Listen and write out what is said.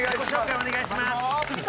お願いします！